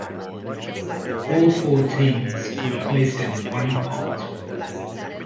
All four teams were placed in one pot.